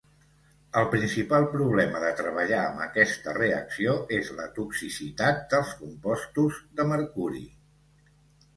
El principal problema de treballar amb aquesta reacció és la toxicitat dels compostos de mercuri.